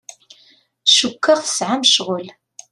Cukkeɣ tesɛamt ccɣel.